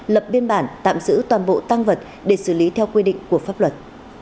lập biên bản tạm giữ toàn bộ tăng vật để xử lý theo quy định của pháp luật